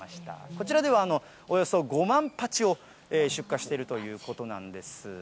こちらでは、およそ５万鉢を出荷しているということなんです。